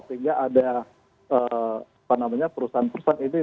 sehingga ada perusahaan perusahaan ini